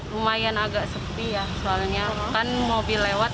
lumayan agak sepi ya soalnya kan mobil lewat